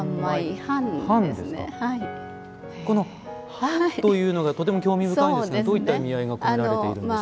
「半」というのがとても興味深いんですがどういった意味合いが込められているんでしょう。